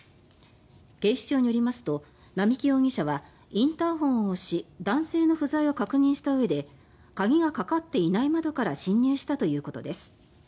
警視庁によりますと並木容疑者はインターホンを押し男性の不在を確認したうえで鍵がかかっていない窓から侵入したということです。